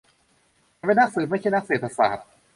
ฉันเป็นนักสืบ ไม่ใช่นักเศรษฐศาสตร์